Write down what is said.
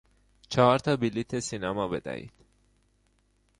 چهارتا بلیط سینما بدهید.